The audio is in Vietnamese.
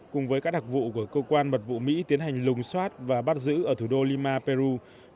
cùng với các đặc vụ của cơ quan mật vụ mỹ tiến hành lùng xoát và bắt giữ ở thủ đô lima peru